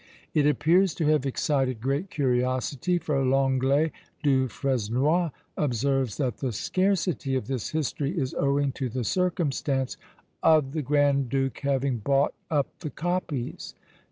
It appears to have excited great curiosity, for Lenglet du Fresnoy observes that the scarcity of this history is owing to the circumstance "of the Grand Duke having bought up the copies."